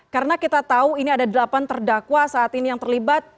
karena kita tahu ini ada delapan terdakwa saat ini yang terlibat